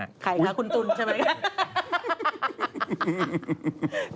ใครคะคุณตุ๋นใช่ไหม